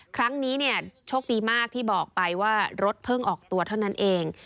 ครั้งนี้เนี่ยโชคดีมากที่บอกไปว่ารถเพิ่งออกตัวเท่านั้นเอง